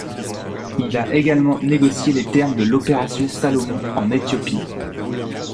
Il a également négocié les termes de l'Opération Salomon en Éthiopie.